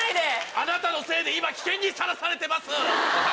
あなたのせいで今危険にさらされてます！